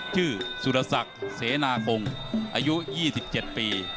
ชื่อสุรสักเสนาคงอายุ๒๗ปี